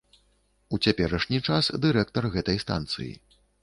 У цяперашні час дырэктар гэтай станцыі.